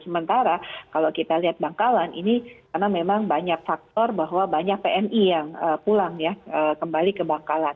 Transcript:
sementara kalau kita lihat bangkalan ini karena memang banyak faktor bahwa banyak pmi yang pulang ya kembali ke bangkalan